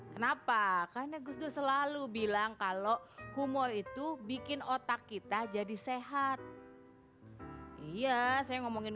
kenapa karena gus dur selalu bilang kalau humor itu bikin otak kita jadi sehat iya saya ngomongin